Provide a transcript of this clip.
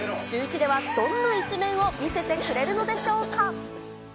シューイチではどんな一面を見せてくれるのでしょうか。